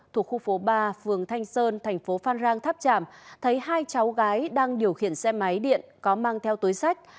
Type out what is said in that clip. thuộc khu phố ba phường thanh sơn thành phố phan rang tháp tràm thấy hai cháu gái đang điều khiển xe máy điện có mang theo túi sách